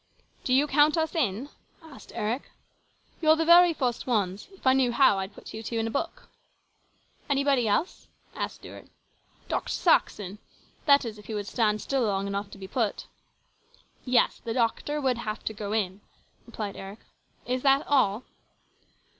" Do you count us in ?" asked Eric. " You're the very first ones. If I knew how, I'd put you two into a book." " Anybody else ?" asked Stuart. " Dr. Saxon. That is, if he would stand still long enough to be put." " Yes, the doctor would have to go in," replied Eric. "Is that all?"